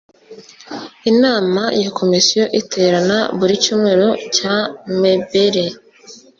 Inama ya komisiyo iterana buri cyumweru cya mebere